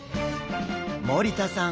森田さん